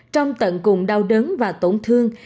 trong tận cùng đau đớn và tổn thương